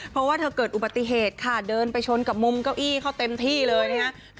เพราะว่าเธอเกิดอุบัติเหตุค่ะเดินไปชนกับมุมเก้าอี้เขาเต็มที่เลยนะครับ